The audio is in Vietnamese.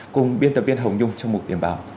cùng biên tập viên hồng nhung trong một điểm báo